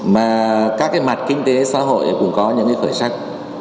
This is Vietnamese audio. mà các cái mặt kinh tế xã hội cũng có những khởi sắc